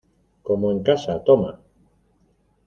como en casa. toma .